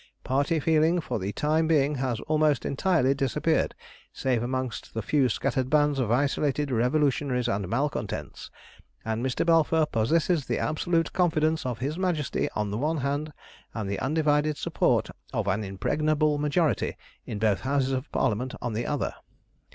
Party feeling for the time being has almost entirely disappeared, save amongst the few scattered bands of isolated Revolutionaries and malcontents, and Mr. Balfour possesses the absolute confidence of his Majesty on the one hand, and the undivided support of an impregnable majority in both Houses of Parliament on the other.